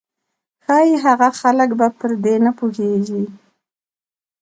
ښايي هغه خلک به پر دې نه پوهېږي.